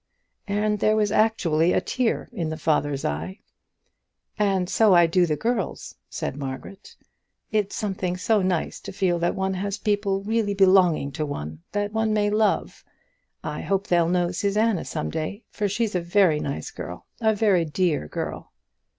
And there was actually a tear in the father's eye. "And so I do the girls," said Margaret. "It's something so nice to feel that one has people really belonging to one that one may love. I hope they'll know Susanna some day, for she's a very nice girl, a very dear girl."